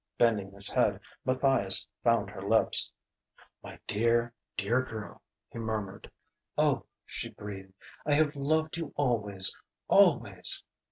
Bending his head, Matthias found her lips. "My dear, dear girl!" he murmured. "Oh," she breathed, "I have loved you always always!"